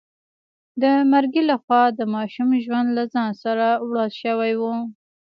د مرګي لخوا د ماشوم ژوند له ځان سره وړل شوی و.